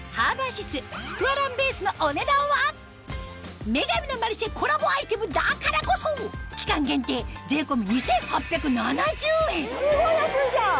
スクワランベースの『女神のマルシェ』コラボアイテムだからこそ期間限定すごい安いじゃん。